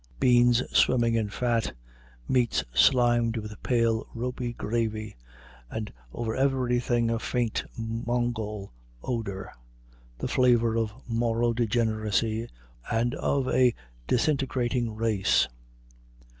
Beans swimming in fat, meats slimed with pale, ropy gravy, and over everything a faint Mongol odor, the flavor of moral degeneracy and of a disintegrating race.